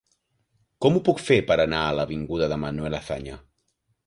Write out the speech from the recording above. Com ho puc fer per anar a l'avinguda de Manuel Azaña?